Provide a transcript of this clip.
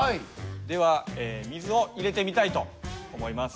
では水を入れてみたいと思います。